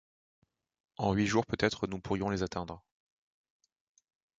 En huit jours, peut-être, nous pourrions les atteindre!